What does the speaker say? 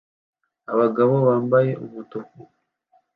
Abagabo bambaye umutuku